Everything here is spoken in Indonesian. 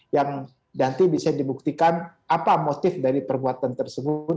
yang nanti bisa dibuktikan apa motif dari perbuatan tersebut